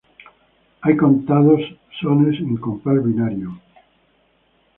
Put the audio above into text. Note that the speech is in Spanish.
Hay contados sones en compás binario.